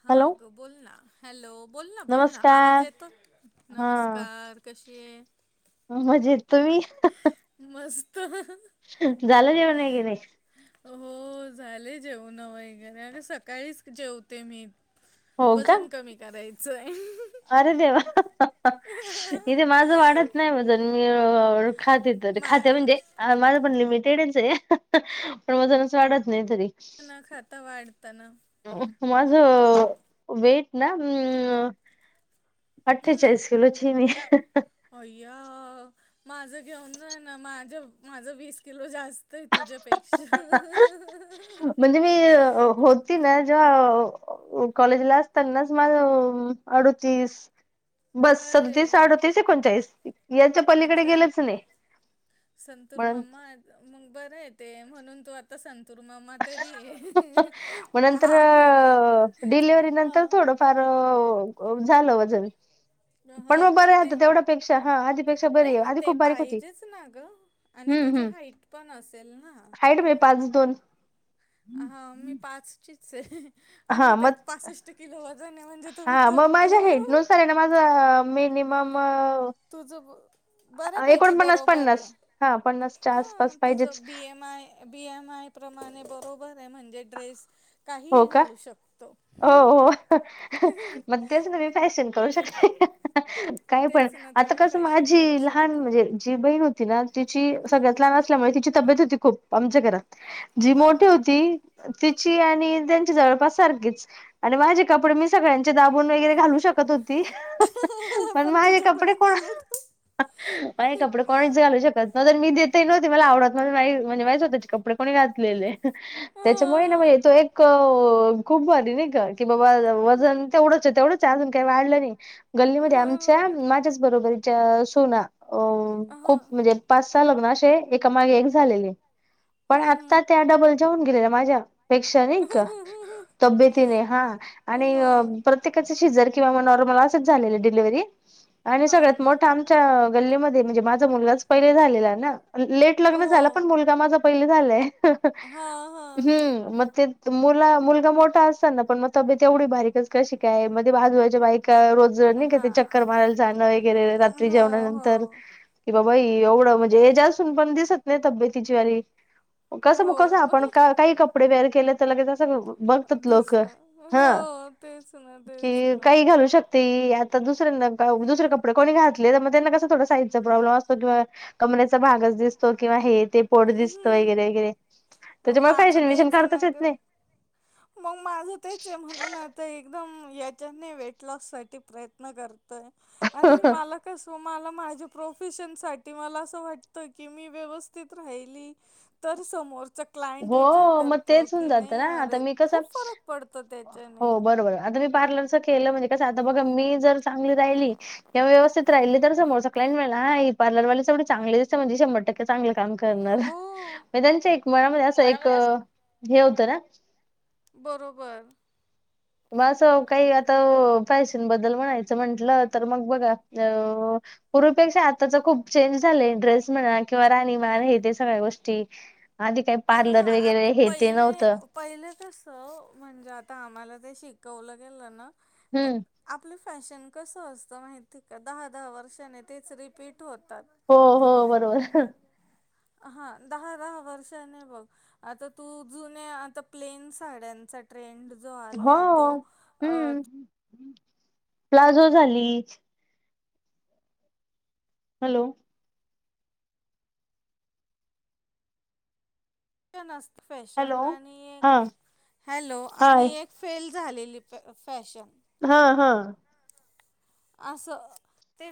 हा हॅलो ग बोल ना हॅलो बोल ना बोल ना आवाज नमस्कार येतो, हा नमस्कार कशीये. मजेत तुम्ही. झालं जेवण होयग नाही. हो झाले जेवन वगैरे आणि सकाळीच जेवते मी. हो का वजन कमी करायचंय. अरे देवा इथे माझं वाढत नाही वजन मी अ खाते तर मा खाते म्हणजे माझं पण लिमिट तेडीच हे पण वजनच वाढत नाही तरी म ना खाता वाढतन. माझं वेट ना अम्म. अठ्ठेचाळीस किलो चिनी. अय्या माझ घेऊन जा ना माझं माझं वीस किलो जास्त तय तुझ्यापेक्षा म्हणजे मी होती ना जेव्हा कॉलेजला असतानाच माझ अडवतीस बस सदतीस, अरे अडतीस, एकोणचाळीस. याच्या पलीकडे अच्छा गेलंच नाही संतूर म्हणून मम्मा मग बरय. म्हणून तू आता सागते, मग नंतर आम्ही डिलव्हरी ह नंतर थोडं फार झालं वजन. ह पण मग बरे हा ते तेवढा पेक्षा हा आधीपेक्षा नाही बरी आहे ना आधी ते खूप बारीक होती. पाहिजेच ना गं आणि हम्म तुझी हम् हाईट पण असेल ना. हाईट मी पाच दोन हा मी पाचचीच आहे. आणि हा मग त्यात पासष्ट किलो वजन आहे म्हणजे तू् हा विचार मग माझ्या कर. हेडनुसार आहे ना माझा मिनिमम तुझ बऱ्यापैकी एकोणपन्नास बरोबर आहे पन्नास हा पन्नासच्या हा आसपास तुझ पाहिजेच B M B M I प्रमाणे बरोबर आहे म्हणजे ड्रेस हो काहीही का घालू शकतो. हो हो मग तेच न मी फॅशन करू शकते काय पण तेच ना आता तुम्ही कसं फॅशन माझी करू लहान शकता. म्हणजे जी बहीण होती ना तिची सगळ्यात नसल्यामुळे मुळे तिची तब्येत होती खूप आमच्या घरात जी हा मोठी हा. होती तिची आणि त्यांच्या जळपासारखेच आणि माझे कपडे मी सगळ्यांचे दाबून वगैरे घालू शकत हकत होती ह ह पण माझे तुझे कपडे कुणी कोण घालून माझे कपडे कोणीच घालू शकत. न तर मी देत होते ना मला आवडत नव्हते म्हणजे माहीत हीचे कपडे कोणी घातलेले हा त्याच्यामुळे ना हा. म्हणजे तो एक कव खूप भारी नाही का की बाबा वजन तेवढंच, तेवढंच आहे अजून काही वाढलं नाही गल्लीमध्ये आमच्या बरोबर. माझ्याच बरोबरीच्या सोना अ हा खूप म्हणजे पाच सहा लग्न अशे एकामागे एक झालेले. पण आत्ता हम्म त्या डबल जेऊन गेलेल्या माझ्या पेक्षा नाही का? हम्म. तब्येतीने हा अ आणि ह. प्रत्येकाच शिजर किंवा नॉर्मल असंच झालेलं डिलिव्हरी आणि हा सगळ्यात हा. मोठा आमच्या गल्लीमध्ये, म्हणजे माझा मुलगाच पहिले झालेला ना, लेट लग्न झालं पण हो. मुलगा माझा पहिले झालाय हा हा हम्म मग ते त मुला मुलगा मोठा असताना. पण मग तब्येत एवढी बारीकच कशी काय मध्ये बाजूबाच्या बाईक का रोज नाही का हा चक्कर मारायला जाणं वगैरे रात्री हो जेवणानंतर हो. बाई एवढं म्हणजे हे ज असून पण दिसत नाही तब्येत तिची वाली. कसं मग कसं आपण हो का काही कपडे वेअर केले तर लगेचच सगळ बघतात लोक दिस हा हो तेच ना तेच की ना. काही घालू शकते ही त दुसऱ्या [unintelligible] दुसरे कपडे कोणी घातले त मग त्यांना कस थोडा साईजचा प्रॉब्लेम असतो. किंवा कमरेचा भाग दिसतो किंवा हे ते पोट दिसतं वगैरे, हम्म वगैरे, त्याच्यामुळे माझं फॅशन विशन तेच ए ना करताच येत ग [inaudible] मग माझं तेच आहे म्हणून आता एकदम याच्याने वेट लॉस साठी प्रयत्न करत आणि नाही मला कस मला माझ्या प्रोफेशन साठी मला असं वाटत की मी व्यवस्थित राहिली त तर समोरचा क्लायंट विचार करतो की नाही अरे ते कसं खूप फरक पडतो हो त्याच्याने. बरोबर आता मी पार्लरच केलं म्हणजे कस आता बघा मी जर चांगली राहिली व्यवस्थित राहिली तर समोरचा [unintelligible] बोलेल मला ही पार्लर वाली एवढी चांगली दिसते म्हजे शंभर टके चांगलं काम करणार, हो त्यांच्या एक मनामध्ये असं, एक हे होतं ना. बरोबर. माझ्यासोबत असं काही आता फॅशन बद्दल म्हणायचं म्हंटलं तर मग बघा, अ पूर्वीपेक्षा आताच खूप चेंज झालंय ड्रेस म्हणा किंवा राहणीमान हे ते सगळ्या गोष्टी. आधी काही अगं पार्लर आ वगैरे हे ते पहिले नव्हतं पहिले कस म्हणजे आता आम्हाला ते शिक कवायला गेलं ना. प हम्म. आपलं फॅशन कस असतं माहिती का दहा दहा वर्षाने तेच रिपीट होतात. हो -हो बरोबर. हा दहा -दहा वर्ष आता तू आता जुन्या प्लेन साड्याचा ट्रेंड जो हो आलाय तो, अ हम्म प्लाझो झाली. हॅलो. फॅशन अस हॅलो फॅशन आणि हा एक, हॅलो हाय आणि एक फेल झालेली प फॅशन. ह ह. अस.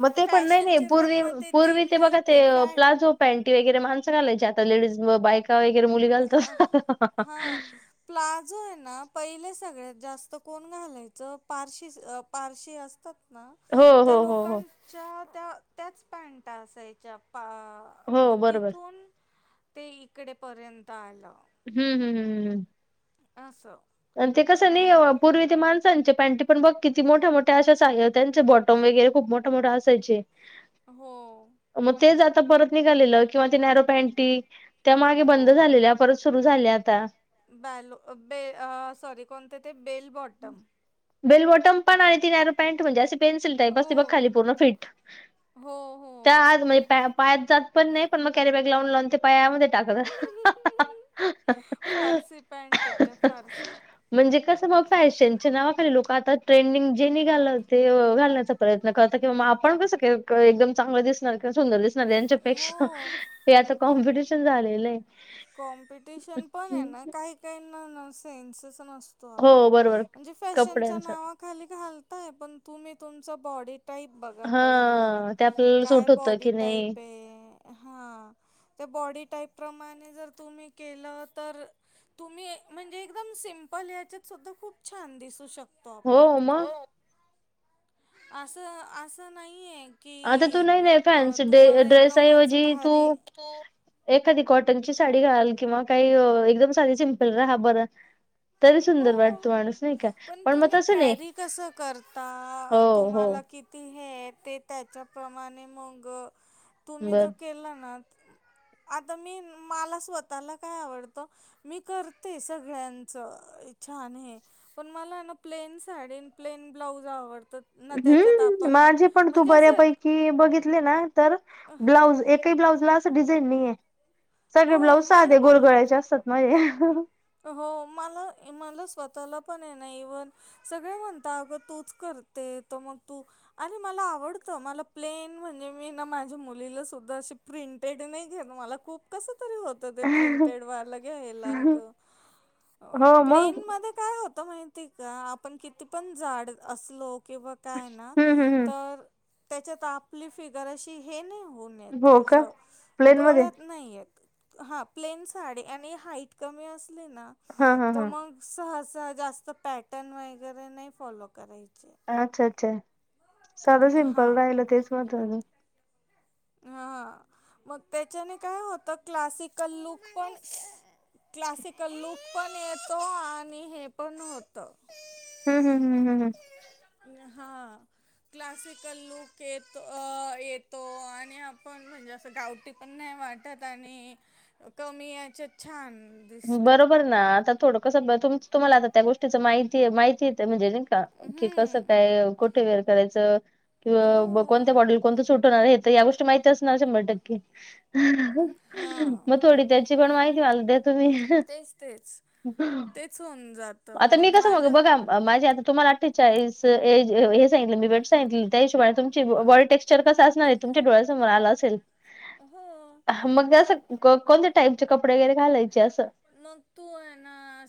मग ते पण नाही नाही, पूर्वी पूर्वी तीन ते बघा टाईप ते आहे फॅ प्लाझो पॅन्टी वगैरे माणस घालायचे, आ ता लेडीज बायका वगैर अ हा प्लाझोय ना, पहिले सगळ्यात जास्त कोण घालायचं पारशी पारशी असतात. ना हो त्या हो हो हो लोकांच्या त्या त्याच पॅन्टा असायच्या. हो म बरोबर तिथून ते इकडे पर्यंत आलं. हम्म- हम्म हम्म- हम्म. अस. आणि ते कसं नाही पूर्वी ते माण साचे पॅ्टी पण बघ किती मोठ्या मोठ्या अशा त्यांचे बॉटम वगैरे खूप मोठे मोठे असायचे. हो. मग तेच आता परत निघालेलं किंवा ती नॉरो पॅनटी त्या मागे हो बंद झालेल्या परत सुरू झाल्या आता. बॅलो बे सॉरी कोणते ते बेल बॉटम. बेल बॉटम पण आणि ती नॅरो पॅट म्हणजे अशे पेन्सल टाईप हो असते बग खाली पूर्ण फिट, हो हो त्या आग म्हणजे पायात जात पण नाही पण मग कॅरीबॅग लावून लावून ते पायामध्ये टाकत. फारसी पॅट त्या फारसी. चीनच्या नावाखाली लोक आता ट्रेंडिंग जे निघाल ते घालण्याचा प्रयत्न करतात, किंवा म आपण तस एकदम चांगलं दिसणार सुंदर दिसणार त्यांच्यापेक्षा हो ते [inaudible] आता कॉम्पिटिशन झालेलं आहे कॉम्पिटिशन पण आहे ना काही काही ना सेन्सस भ्रम असतो हो बरोबर अगं फॅशनच्या कपड्यांच नावाखाली घालताय पण तु मी तुम्ही तुमचा बॉडी टाईप बघा पाहिले हा ते आपल्याला सूट काय होतं बॉडी की नाही टाईप आहे हा त्या बॉडी टाईप प्रमाणे तुम्ही की तर तुम्ही म्हणजे एकदम सिमपल याच्यात सुद्धा खूप छान दिसू शकतो हो आपण मग असं असं नाहीये आता तू नाही -नाही फॅन्स एकदमच ड्रेसऐवजी तू भारी एखादी कॉटनची साडी घालाल किंवा काही एकदम साधी सिमपल राहा बरं तरी हो सुंदर वाटतो माणुस पण तुम्ही कॅरी कस करता हो हो तुम्हाला किती हे ते त्याच्या प्रमाणे मग तुम्ही बर जर केला ना [inaudible] आता मी मला स्वतःला काय आवडतं मी करते सगळ्यांचं छान हे पण मला ना प्लेन साडीन प्लेन ब्लाउज आवडत हम् माझे पण तू असं बऱ्यापैकी बघितले ना तर ब्लाउज एकही ब्लाउज ला डिझाईन नाहीे सगळे हो मला ब्लाउजधे पण गोळगळ्याचे असतात माझे हो मला मला स्वतःला पण आहे ना इव्हन सगळे म्हणत अग तूच कर म त आणि मला आवड मला प्लेन म्हणजे मी माझ्या मुलीलाधा त प्रिंटेड नाही घेत मला खूप कसं प्रे प हो मग का आता माहिती आहे का आपण किती पण झाड असलो किंवा काय ना हम्म हम्म हम्म तर त्याच्यात आपली फिगर अशी हे नाही होन हो येत का असं प्लेन मध्ये डोळ्यात नाही येत हा प्लेन साडी आणि हाईट कमी अस ना हा हा तर हा मग स जास्त पॅटर्न वगैरे नाही फॉलो करायचं अच्छा अच्छा साधं हा सिम्पल राहिलं तेच महत्वां हा [inaudible] मग त्याच्याने काय होतं क्लासिकल लुक पण क्लासिकल लुक पण येतो आणि हे पण होत हम्म हम्म हम् हम् हम हा क्लासिकल लूक येतो येतो आणि आपण म्हणजे असं गावटी पण नाही वाटत आणि कमी याचे छान दिसतो बरोबर ना आता थोडं कसं तुम्हाला आता त्या गोष्टीच माहिती माहितीेत म्हणजे क कस हम्म काय कुठे वेर करायचं हो किंवा कोणत्या मॉडेल कोणतं सुटवणार या गोष्टी माहचणार शंभर टक्के हा मग थोडी त्याची पण माहि वाल तु्ही तेच तेच तेच होऊन जातं आता मी मग कसग माझ्या बघा माझे आता तुम्हाला अठ्ठेचाळीस एज हे सांगित मी वेट सांगित त्या हिशोबा तुम ह बॉडी टेक्स्चर कसं अस तुम डळ्यासोर आ असेल हो मग अस कोण टा कपडे वगैरे घालायचे असं म तू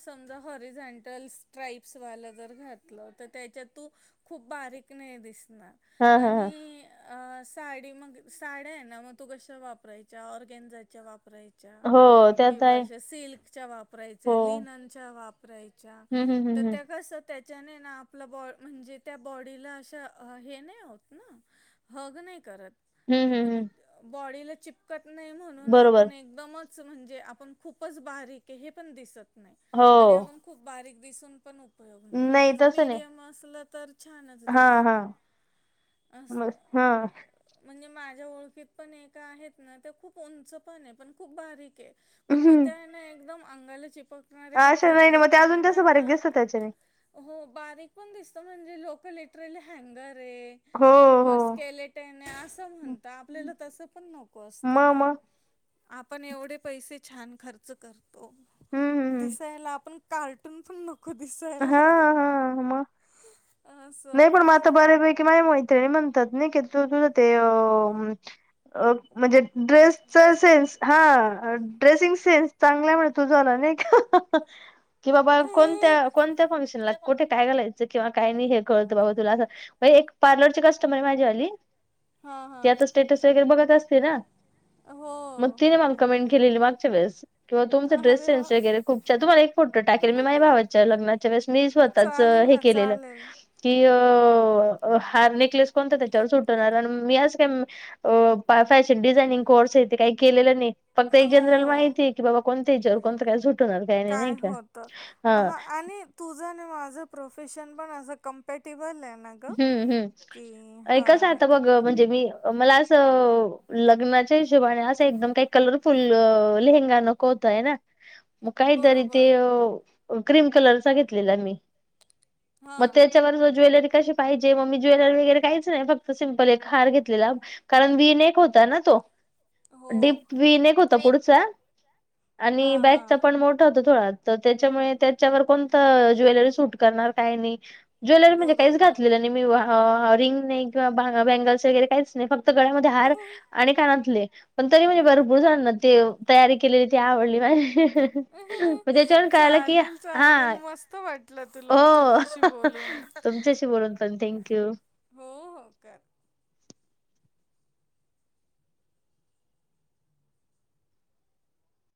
सम ह सा जर घात त्या तू खप बारीक नाही दिसणार हा हा हा. आणि अ साडी मग साड्या आहे ना मग तू कश वापरायच्या ऑरगॅनझाच्या वापरायच्या हो त्यात आहे कि सिल् हो वापराय लिनन वा हम्म हम्म हम्म त्या कस जने ना आपला बॉ म्हणजे त्या बॉडीला अा हे नाही होत ना हग नाही करत. हम्म हम्म हम्म हम्म बॉडीला चिपकत नाही म्हणून बरोबर आपण एकदमच. म्हण ख बण हो नाही ख. दिसून पण उपयोग नाही म्हणजे तसं नाही. मडयम असला तर. छानच हा हा दिसतं असं मस् हा. म्हणजे माझ्या ओळखीत पण ए का आहेत ना ते खूप उंच पण आहे पण खूप बारीक आहे. पण मग त्या ना एकदम अंगाला चिप. कणारे कपड अशा नाही ना घालत ते अजून मग तसं त्यांना बारीक दिसत त्याच्याने हो. बारीक पण दिसत म्हणजे लोकललेटरली हँगर. आहे ह. किंवा स्केलेटने असं म्हणत आपल्याला तस पण नको म असतं ना. म आपण एवढे पैसे छान खर्च करतो हम्म हम्म दिसायला आपण. Cartoon full. हा हा नाही असं पण माथा बर प कि मा. ते म्हणतात ना की तू तुझ ते अ म्हणजे. ड्रेस चा सेन्स हा. ड्रेसिंग सेन्स चांगला आहे म्हण तुझा ना कि बाबा कोणत्या. कोणत्या फंगशनला कुठे कायालायं. किंवा काही नाही हे कळत बाबा तुला असं एक पार्लरची कस्टमर आहे माझी आली. हा हा आता स्टेटस वरे बघत असते ना हो मग ति म कमेंट. ली मागच्या बेस कंवा तुमचा ड्रेस अरे सन्स वा वगरे खूपच्या तुमला एक फोटो टाकल मी माझ भावा. [unintelligible] [unintelligible] डिझानि चालेल ना चालेल कोर्स काही केलेलं नाही. फक्त एक हो जनरल माहितीय की बाबा कोणत्या याच्यावर कोणतं काय सुटवणार काही नाही नाही काय का होतं हा. हां आणि तुझं आणि माझं प्रोफेशन पण असं कम्पॅटेबल आहे. ना गं हम्म की हम्म कसं हां आता बघ म्हणजे मी. मला असं लग्नाच्या हिशोबाने असं एकदम काही कलरफुल लेहंगा नको. ना मग काहीतरी ते बरोबर क्रीम कलरचा घेतलेला मी. म हां त्याच्यावर ज ज्वेलरी काय श. पाहिजे मम्मी ज्वेलरी वगैरे काहीच नाही फक्त सिम्पल एक हार घेतलेला कारण वीन एक होता ना तो. हो डडीप वि ने ग होत पुडस. हा आणि हा. बॅकचा पण मोठा होत थोडा तर. त्याच्यामुळे त्याच्यावर कोणत ज्वेलरी सूट करणार काय नाही ज्वेलरी म्हणजे काहीच घ बरोबर. मी रिंग नाही किं बँगल्स वगैरे काहीच नाही फक्त. गळ्यामध्ये हार आणि कानातले. पण तरी म्हणजे भरपूर जा ना ते तयारी केलेली ती आवडली माझे. मझेच्यान काला कि चालेल हा चालेल मस्त वाटलं तुला तुझ्याशी बोलून हो. तुमच्याशी बोलून पण थँंक्यू. हो हो कर.